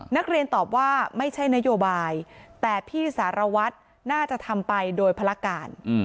นักเรียนตอบว่าไม่ใช่นโยบายแต่พี่สารวัตรน่าจะทำไปโดยภารการ